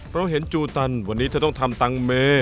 เพราะเห็นจูตันวันนี้จะต้องทำตังเม